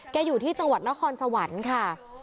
อยู่ที่จังหวัดนครสวรรค์ค่ะ